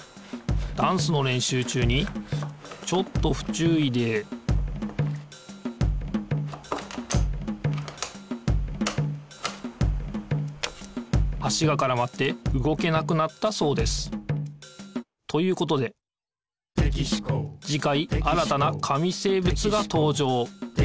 ダンスのれんしゅう中にちょっとふちゅういで足がからまって動けなくなったそうです。ということでじかい新たな紙生物がとうじょう。